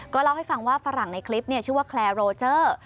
เล่าให้ฟังว่าฝรั่งในคลิปชื่อว่าแคลร์โรเจอร์